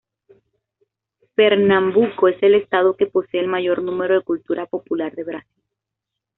Pernambuco es el Estado que posee el mayor número de cultura popular de Brasil.